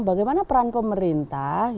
hal seperti kesehatan